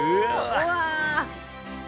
うわ！